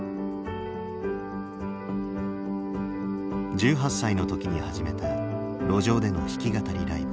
１８歳の時に始めた路上での弾き語りライブ。